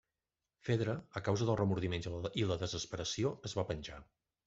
Fedra, a causa dels remordiments i la desesperació, es va penjar.